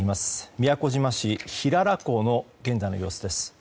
宮古島市平良港の現在の様子です。